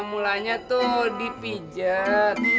mulanya tuh dipijat